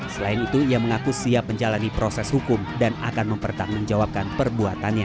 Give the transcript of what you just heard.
selain itu ia mengaku siap menjalani proses hukum dan akan mempertanggungjawabkan perbuatannya